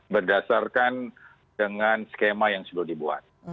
berdasarkan dengan skema yang sudah dibuat